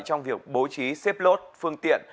trong việc bố trí xếp lốt phương tiện